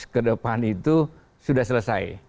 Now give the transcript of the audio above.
ke depan itu sudah selesai